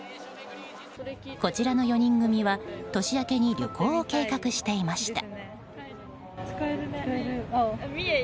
こちらの４人組は年明けに旅行を計画していました。